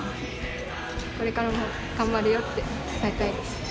これからも頑張るよって伝えたいです。